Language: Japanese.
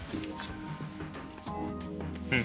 うん。